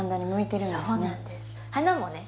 花もね